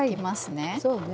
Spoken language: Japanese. そうね。